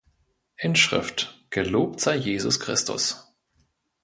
Inschrift: „Gelobt sei Jesus Christus!